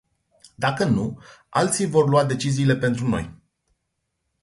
Dacă nu, alții vor lua deciziile pentru noi.